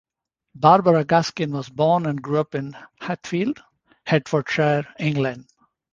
Barbara Gaskin was born and grew up in Hatfield, Hertfordshire, England.